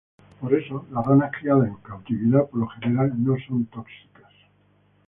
Por eso, las ranas criadas en cautividad por lo general no son tóxicas.